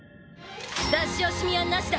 出し惜しみはなしだ。